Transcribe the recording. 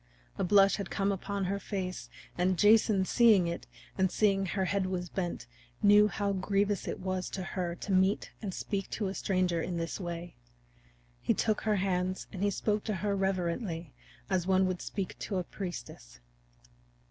A blush had come upon her face, and Jason seeing it, and seeing how her head was bent, knew how grievous it was to her to meet and speak to a stranger in this way. He took her hand and he spoke to her reverently, as one would speak to a priestess.